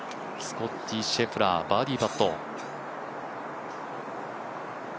スコッティ・シェフラーバーディーパット。